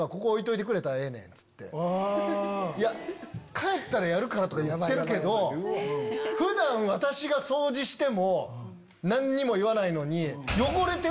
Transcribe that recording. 帰ったらやるからとか言ってるけど普段私が掃除しても何にも言わないのに。